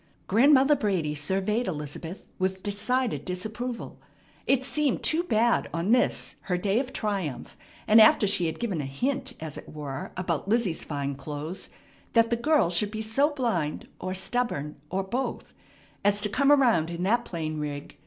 Grandmother Brady surveyed Elizabeth with decided disapproval. It seemed too bad on this her day of triumph, and after she had given a hint, as it were, about Lizzie's fine clothes, that the girl should be so blind or stubborn or both as to come around in that plain rig.